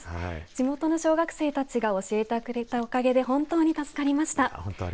地元の小学生たちが教えてくれたおかげで本当に助かりました。